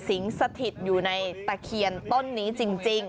สถิตอยู่ในตะเคียนต้นนี้จริง